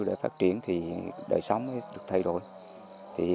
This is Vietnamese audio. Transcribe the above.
để phát triển thì đời sống được thay đổi